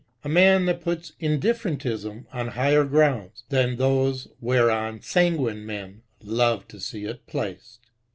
a man that puts indifferentism on higher grounds than those whereon sanguine men love to see it placed.